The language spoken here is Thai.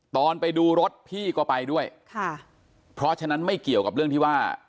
ตอนไปดูรถพี่ก็ไปด้วยค่ะเพราะฉะนั้นไม่เกี่ยวกับเรื่องที่ว่า